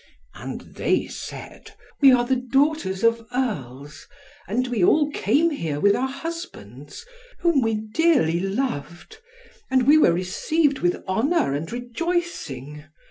And they said, "We are the daughters of Earls, and we all came here, with our husbands, whom we dearly loved. And we were received with honour and rejoicing.